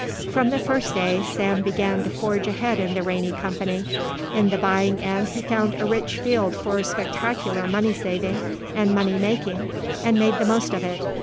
From the first day, Sam began to forge ahead in the Rainey Company. In the buying end he found a rich field for spectacular money saving and money making and made the most of it.